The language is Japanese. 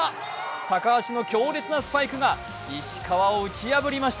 高橋の強烈なスパイクが石川を打ち破りました。